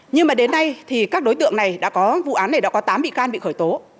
nhưng mà đến nay thì các đối tượng này đã có vụ án này đã có tám bị can bị khởi tố